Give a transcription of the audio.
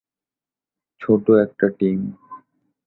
ছোট একটা টিম।